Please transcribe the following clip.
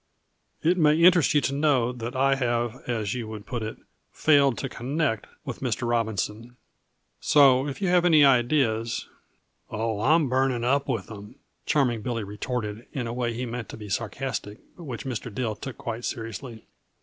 It may interest you to know that I have, as you would put it, 'failed to connect' with Mr. Robinson. So, if you have any ideas " "Oh, I'm burning up with 'em," Charming Billy retorted in a way he meant to be sarcastic, but which Mr. Dill took quite seriously.